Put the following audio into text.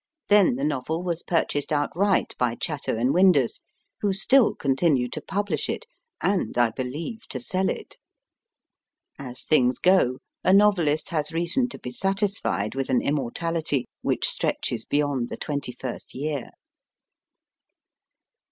Then the novel was purchased outright by Chatto & Windus, who still continue to publish it and, I believe, to sell it. As things go, a novelist has reason to be satisfied with an immortality which stretches beyond the twenty first year.